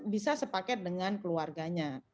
bisa sepaket dengan keluarganya